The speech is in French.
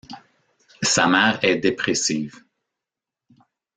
Sa mère est dépressive.